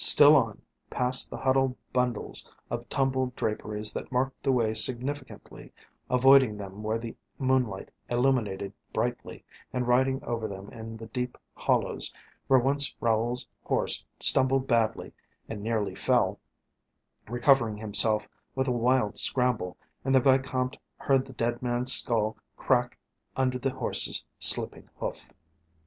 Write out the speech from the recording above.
Still on, past the huddled bundles of tumbled draperies that marked the way significantly, avoiding them where the moonlight illuminated brightly, and riding over them in the deep hollows, where once Raoul's horse stumbled badly and nearly fell, recovering himself with a wild scramble, and the Vicomte heard the dead man's skull crack under the horse's slipping hoof.